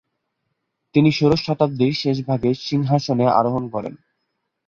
তিনি ষোড়শ শতাব্দীর শেষ ভাগে সিংহাসনে আরোহণ করেন।